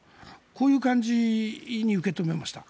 こういう感じに受け止めました。